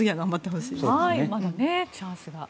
まだチャンスが。